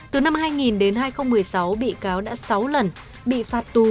từ năm hai nghìn đến hai nghìn một mươi sáu bị cáo đã sáu lần bị phạt tù